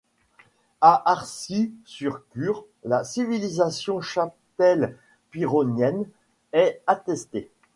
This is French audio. À Arcy-sur-Cure, la civilisation chatelperronienne est attestée.